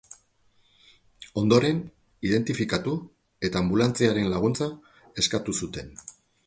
Ondoren, identifikatu eta anbulantziaren laguntza eskatu zuten.